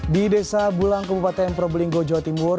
di desa bulang kabupaten probolinggo jawa timur